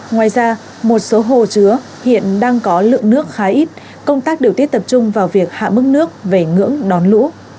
ngoài ra một số hồ chứa hiện đang có lượng nước khá ít công tác điều tiết tập trung vào việc hạ mức nước về ngưỡng đón lũ